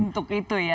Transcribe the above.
untuk itu ya